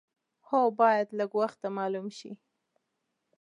هو باید لږ وخته معلوم شي.